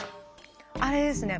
あれですね。